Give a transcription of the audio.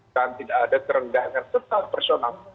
dan tidak ada kerenggangan setelah personal